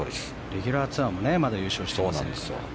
レギュラーツアーもまだ優勝してないですから。